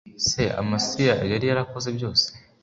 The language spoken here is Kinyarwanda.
Se amasiya yari yarakoze byose